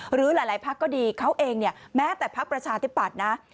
หรือหลายพักก็ดีเขาเองเนี่ยแม้แต่พักประชาธิปัตย์นะ